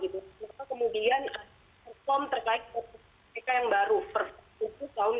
maka kemudian reform terkait kpk yang baru per tujuh tahun dua ribu dua puluh